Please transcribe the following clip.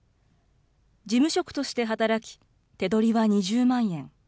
事務職として働き、手取りは２０万円。